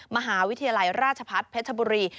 มหาวิทยาลัยราชพัฒน์เพชรบุรี